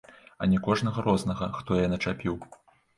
А не кожнага рознага, хто яе начапіў!